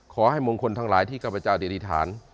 ขอให้มงคลทั้งหลายที่ข้าพเจ้าดิษฐาน